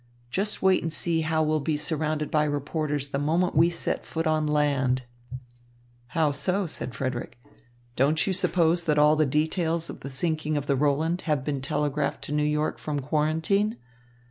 Just wait and see how we'll be surrounded by reporters the moment we set foot on land." "How so?" said Frederick. "Don't you suppose that all the details of the sinking of the Roland have been telegraphed to New York from quarantine?